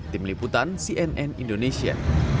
tim liputan cnn indonesia